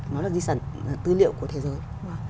nó là di sản thư liệu của thế giới